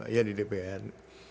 iya di dpn